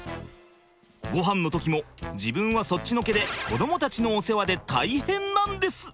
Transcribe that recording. ごはんの時も自分はそっちのけで子どもたちのお世話で大変なんです！